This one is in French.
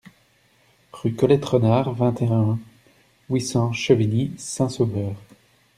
Rue Colette Renard, vingt et un, huit cents Chevigny-Saint-Sauveur